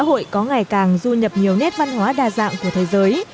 dù xã hội có ngày càng du nhập nhiều nét văn hóa đa dạng của thế giới